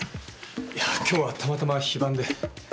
いやぁ今日はたまたま非番で。